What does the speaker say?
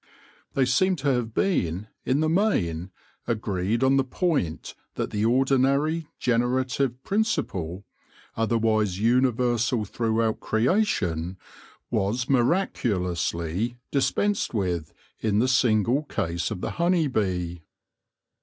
They seem to have been, in the main, agreed on the point that the ordinary generative principle, other wise universal throughout creation, was miraculously dispensed with in the single case of the honey bee.